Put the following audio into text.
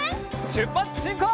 しゅっぱつしんこう！